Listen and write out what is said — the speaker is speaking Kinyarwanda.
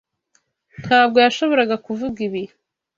Ntabwo yashoboraga kuvuga ibi.